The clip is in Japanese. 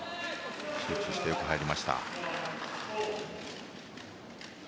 集中して入りました。